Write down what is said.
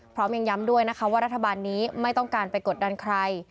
พร้อมยังย้ำด้วยนะคะว่ารัฐบาลนี้ไม่ต้องการไปกดดันใคร